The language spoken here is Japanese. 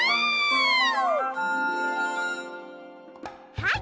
はい！